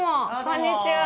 こんにちは。